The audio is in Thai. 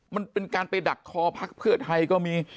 มันเป็นการไปดักคอพักเพื่อไทยก็มี